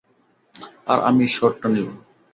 আর আমি শটটা নিবো।